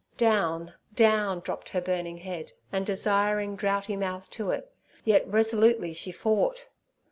Down, down dropped her burning head and desiring, droughty mouth to it, yet resolutely she fought.